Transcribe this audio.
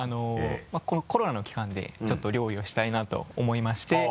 まぁこのコロナの期間でちょっと料理をしたいなと思いまして。